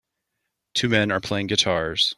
Two men are playing guitars.